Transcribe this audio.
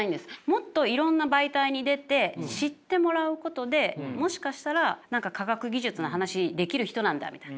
もっといろんな媒体に出て知ってもらうことでもしかしたら何か科学技術の話できる人なんだみたいな。